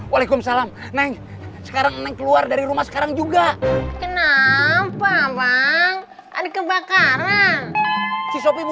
walaikumsalam sekarang keluar dari rumah sekarang juga kenapa bang ada kebakaran